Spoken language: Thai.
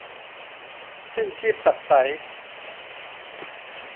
สิ้นชีพตักษัย